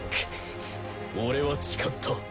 俺は誓った。